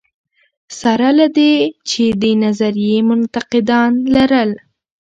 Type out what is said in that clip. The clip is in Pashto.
سره له دې چې دې نظریې منتقدان لرل.